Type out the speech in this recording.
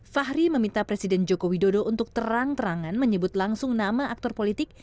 fahri meminta presiden joko widodo untuk terang terangan menyebut langsung nama aktor politik